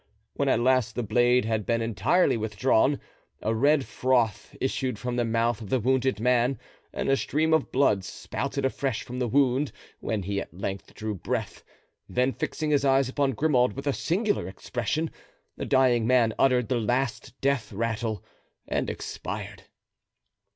When at last the blade had been entirely withdrawn, a red froth issued from the mouth of the wounded man and a stream of blood spouted afresh from the wound when he at length drew breath; then, fixing his eyes upon Grimaud with a singular expression, the dying man uttered the last death rattle and expired.